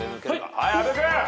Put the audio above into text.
はい阿部君！